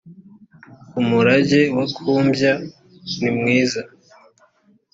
umurage wa kumbya nimwiza